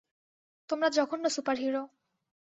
তোমরা জঘন্য সুপারহিরো।